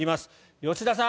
吉田さん